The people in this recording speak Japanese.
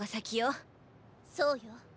そうよ。